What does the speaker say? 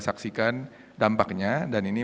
saksikan dampaknya dan ini